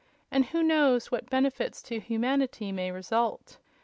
And who knows what benefits to humanity may result?